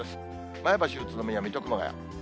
前橋、宇都宮、水戸、熊谷。